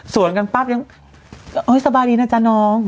สวนกันปั๊บยังเอ้ยสบายดีนะจ้าน้อง